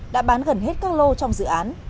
đã bán gần hết các lô trong dự án